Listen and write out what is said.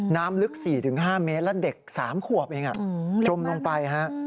น้ำลึก๔๕เมตรแล้วเด็ก๓ขวบเองจมลงไปฮะ